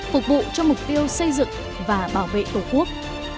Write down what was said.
phục vụ cho mục tiêu xây dựng và bảo vệ tổ quốc